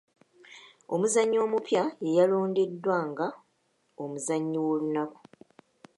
Omuzannyi omupya yeyalondeddwa nga omuzannyi w'olunaku.